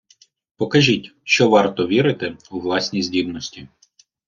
Покажіть, що варто вірити у власні здібності.